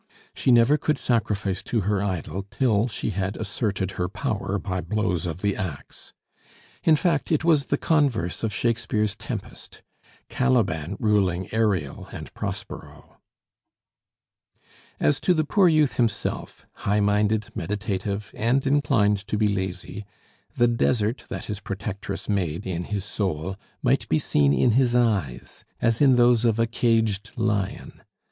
She never could sacrifice to her idol till she had asserted her power by blows of the axe. In fact, it was the converse of Shakespeare's Tempest Caliban ruling Ariel and Prospero. As to the poor youth himself, high minded, meditative, and inclined to be lazy, the desert that his protectress made in his soul might be seen in his eyes, as in those of a caged lion.